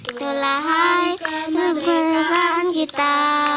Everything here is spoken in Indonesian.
itulah hari kemerdekaan kita